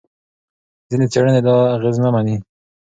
ځینې څېړنې دا اغېز نه مني.